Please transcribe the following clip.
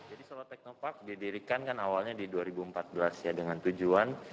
jadi solo technopark didirikan kan awalnya di dua ribu empat belas ya dengan tujuan